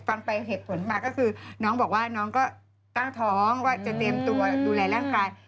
ฟังไปเหตุผลมาก็คือน้องบอกว่าน้องก็ตั้งท้องว่าจะเตรียมตัวดูแลร่างกาย